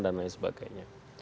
dan lain sebagainya